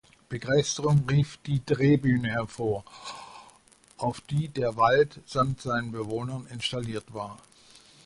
Begeisterung rief die Drehbühne hervor, auf die der Wald samt seinen Bewohnern installiert war.